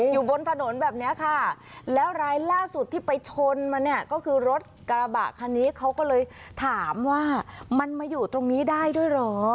อยู่บนถนนแบบนี้ค่ะแล้วรายล่าสุดที่ไปชนมาเนี่ยก็คือรถกระบะคันนี้เขาก็เลยถามว่ามันมาอยู่ตรงนี้ได้ด้วยเหรอ